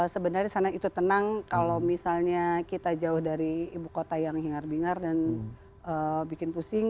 sebenarnya di sana itu tenang kalau misalnya kita jauh dari ibu kota yang hingar bingar dan bikin pusing